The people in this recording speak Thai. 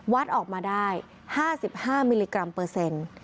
วัดออกมาได้๕๕มิลลิกรัมเปอร์เซ็นต์